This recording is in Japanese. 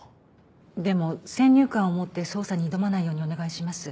でも先入観を持って捜査に挑まないようにお願いします。